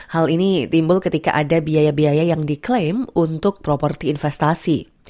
hal ini timbul ketika ada biaya biaya yang diklaim untuk properti investasi